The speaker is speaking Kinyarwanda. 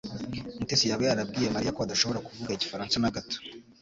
Mutesi yaba yarabwiye Mariya ko adashobora kuvuga igifaransa na gato